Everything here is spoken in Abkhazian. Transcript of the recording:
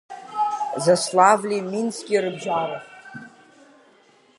Заславли Мински рыбжьара?